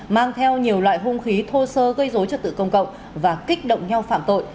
mang theo nhiều loại hung khí thô sơ gây dối trật tự công cộng và kích động nhau phạm tội